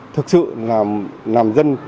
thực sự là làm dân